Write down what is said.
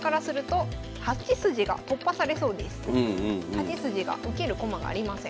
８筋が受ける駒がありません。